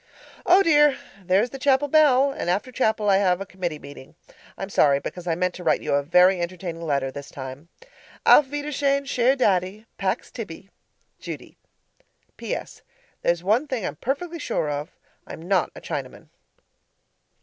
Oh, dear! There's the chapel bell, and after chapel I have a committee meeting. I'm sorry because I meant to write you a very entertaining letter this time. Auf wiedersehen Cher Daddy, Pax tibi! Judy PS. There's one thing I'm perfectly sure of I'm not a Chinaman.